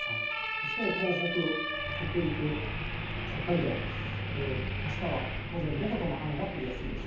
そして東北、北陸、北海道、あしたは午前、午後とも雨が降りやすいでしょう。